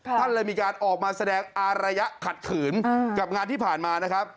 ท่านเลยมีการออกมาแสดงอารยะขัดขืนกับงานที่ผ่านมานะครับ